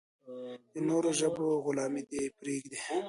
د نورو ژبو غلامي دې پرېږدي.